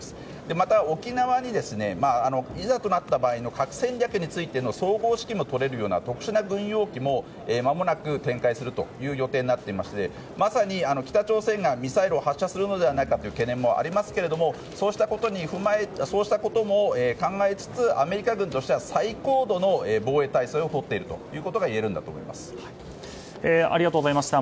また、沖縄にいざとなった場合の核戦略についての総合指揮もとれるような特殊な軍用機もまもなく展開する予定になっていましてまさに北朝鮮がミサイルを発射するのではないかという懸念もありますけれどもそうしたことも考えつつアメリカ軍としては最高度の防衛態勢をとっていることがありがとうございました。